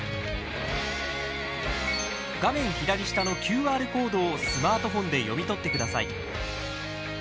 画面左下のＱＲコードをスマートフォンで読み取ってください。